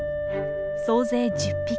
総勢１０匹。